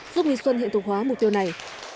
giúp nghi xuân hiện thực hóa mục tiêu này